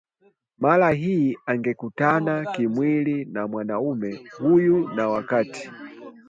Mara hii angekutana kimwili na mwanaume huyu na wakati